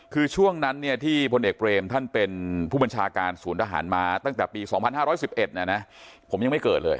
คือช่วงนั้นที่พลเอกเบรมท่านเป็นผู้บัญชาการศูนย์ทหารมาตั้งแต่ปี๒๕๑๑ผมยังไม่เกิดเลย